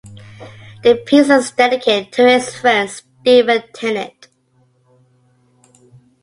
The piece is dedicated to his friend Stephen Tennant.